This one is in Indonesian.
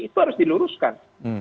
itu harus diluruskan